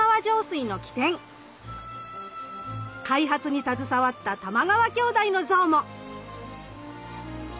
開発に携わった玉川兄弟の像も！